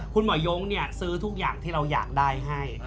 คุณหมอยงซื้อทุกอย่างที่เราอยากได้ให้